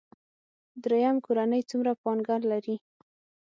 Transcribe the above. دریم کورنۍ څومره پانګه لري.